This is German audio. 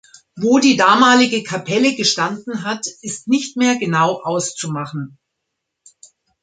Wo die damalige Kapelle gestanden hat ist nicht mehr genau auszumachen.